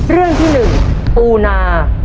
เรื่องที่๑ปูนา